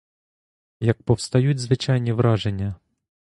Як повстають звичайні враження?